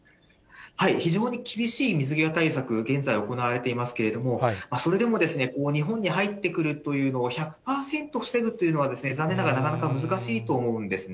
非常に厳しい水際対策、現在、行われていますけれども、それでも日本に入ってくるというのを１００％防ぐっていうのは、残念ながら、なかなか難しいと思うんですね。